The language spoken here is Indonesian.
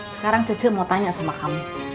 sekarang cuci mau tanya sama kamu